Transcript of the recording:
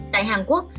tại hàn quốc